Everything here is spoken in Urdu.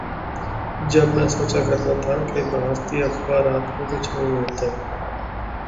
جب میں سوچا کرتا تھا کہ بھارتی اخبارات میں کچھ نہیں ہوتا۔